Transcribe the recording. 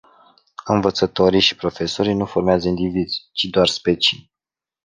Învățătorii și profesorii nu formează indivizi, ci doar specii.